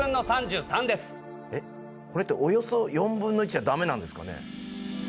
えっこれっておよそ４分の１じゃ駄目なんですかね。